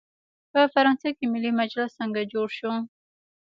په فرانسه کې ملي مجلس څنګه جوړ شو؟